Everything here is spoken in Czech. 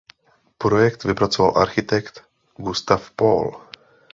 Projekt vypracoval architekt Gustav Paul.